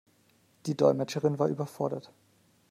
Die Dolmetscherin war überfordert.